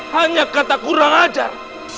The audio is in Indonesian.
hanya kata kurang ajar